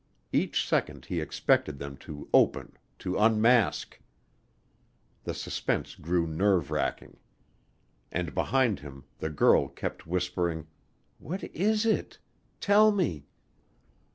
Each second he expected them to open to unmask. The suspense grew nerve racking. And behind him the girl kept whispering, "What is it? Tell me."